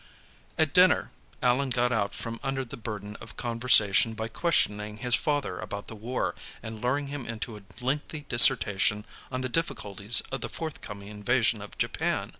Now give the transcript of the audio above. At dinner, Allan got out from under the burden of conversation by questioning his father about the War and luring him into a lengthy dissertation on the difficulties of the forthcoming invasion of Japan.